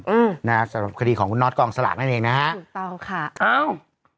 สำหรับคติของคุณน็อตกองสลากให้เองนะครับถูกต้องค่ะอ้าว